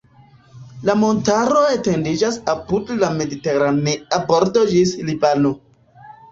La montaro etendiĝas apud la Mediteranea bordo ĝis Libano.